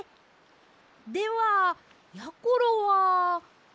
ではやころは。